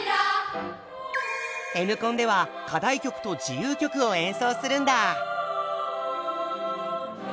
Ｎコンでは課題曲と自由曲を演奏するんだ。